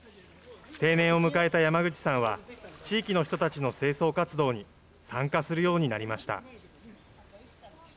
定年を迎えた山口さんは、地域の人たちの清掃活動に参加するようになりました。